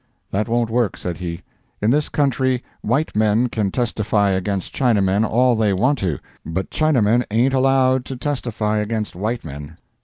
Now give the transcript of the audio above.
"That won't work," said he. "In this country white men can testify against Chinamen all they want to, but Chinamen ain't allowed to testify against white men!'